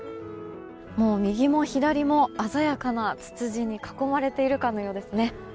右も左も鮮やかなツツジに囲まれているかのようですね。